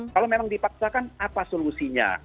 kalau memang dipaksakan apa solusinya